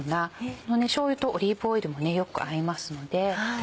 このしょうゆとオリーブオイルもよく合いますので。